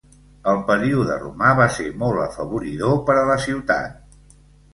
El període romà va ser molt afavoridor per a la ciutat.